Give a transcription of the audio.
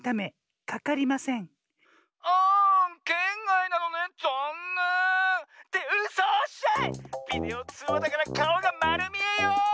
ビデオつうわだからかおがまるみえよ！